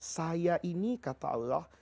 saya ini kata allah